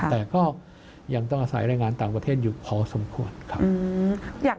แต่ก็ยังต้องอาศัยแรงงานต่างประเทศอยู่พอสมควรครับ